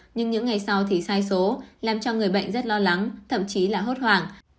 nhưng những ngày sau thì sai số làm cho người bệnh rất lo lắng thậm chí là hốt hoảng